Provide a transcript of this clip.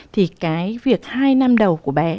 thì cái việc hai năm đầu của bé